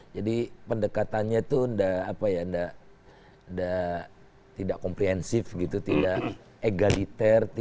jadi pendekatannya itu tidak komprehensif gitu tidak egaliter